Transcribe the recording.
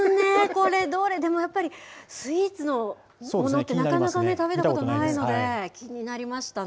これ、でもやっぱり、スイーツのものって、なかなかね、食べたことがないので、気になりましたね。